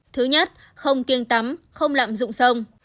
thứ nhất không kiêng tắm không lặm dụng sông